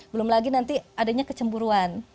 belum lagi nanti adanya kecemburuan